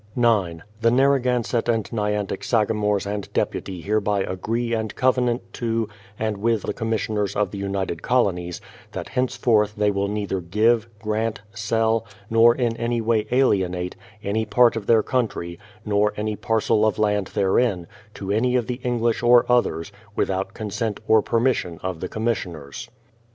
9. The Narragansett and Nyantick sagamores and deputy hereby agree and covenant to and with the commissioners of the United Colonies, that henceforth they will neither give, grant, sell, nor in any way alienate, any part of their country, nor any parcel of land therein, to any of the Enghsh or others, without consent and permission of the commissioners.